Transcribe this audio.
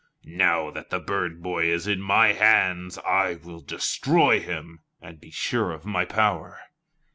Now that the bird boy is in my hands, I will destroy him, and be sure of my power."